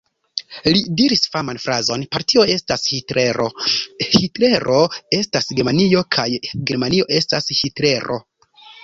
Li diris faman frazon: "Partio estas Hitlero, Hitlero estas Germanio kaj Germanio estas Hitlero!".